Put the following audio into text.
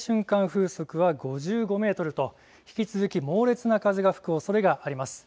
風速は５５メートルと引き続き猛烈な風が吹くおそれがあります。